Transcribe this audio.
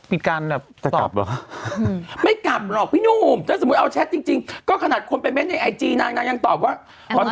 มีการแบบจะตอบเหรอคะไม่กลับหรอกพี่หนุ่มถ้าสมมุติเอาแชทจริงก็ขนาดคนไปเน้นในไอจีนางนางยังตอบว่า